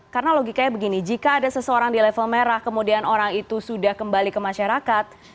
karena logikanya begini jika ada seseorang di level merah kemudian orang itu sudah kembali ke masyarakat